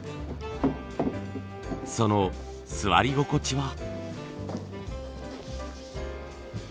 その座り心地は。